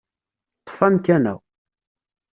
Ṭṭef amkan-a.